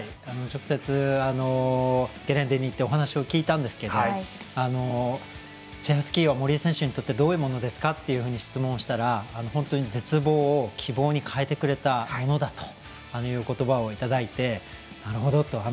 直接ゲレンデに行ってお話を聞いたんですけれどもチェアスキーは森井選手にとってどういうものですかと質問をしたら本当に絶望を希望に変えてくれたものだということばをいただいて、なるほどと。